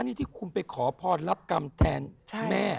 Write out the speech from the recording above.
นี่ที่คุณไปขอพรรับกรรมแทนแม่